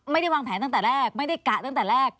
ไม่ได้วางแผนตั้งแต่แรกไม่ได้กะตั้งแต่แรก